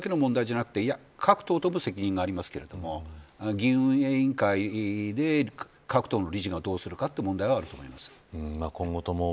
これは自民党だけの問題じゃなくて各党とも責任がありますけど議院運営委員会で、各党の理事がどうするかという問題はあると思います。